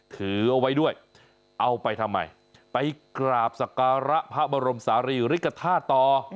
ถือเอาไว้ด้วยเอาไปทำไมไปกราบสการะพระบรมศาลีริกฐาตุต่อ